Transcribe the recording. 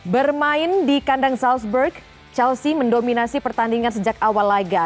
bermain di kandang salzburg chelsea mendominasi pertandingan sejak awal laga